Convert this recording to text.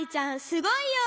すごいよ！